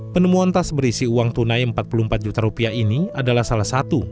penemuan tas berisi uang tunai rp empat puluh empat juta rupiah ini adalah salah satu